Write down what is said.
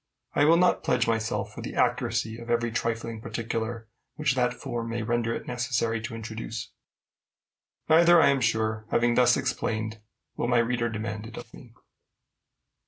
I will not pledge myself for the accuracy of every trifling particular which that form may render it necessary to introduce; neither, I am sure, having thus explained, will my reader demand it of me.